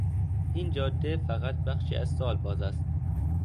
این جاده فقط بخشی از سال باز است.